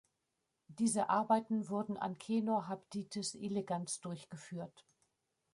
Diese Arbeiten wurden an "Caenorhabditis elegans" durchgeführt.